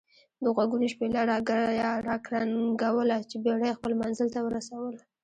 دغوږونو شپېلۍ را کرنګوله چې بېړۍ خپل منزل ته ورسول.